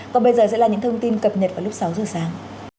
còn bây giờ sẽ là những thông tin cập nhật vào lúc sáu giờ sáng